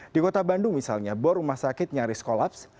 di kota bandung misalnya bor rumah sakit nyaris kolaps